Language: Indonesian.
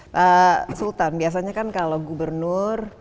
pak sultan biasanya kan kalau gubernur